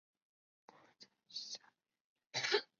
嘉靖十九年正月三十日以寒疾终。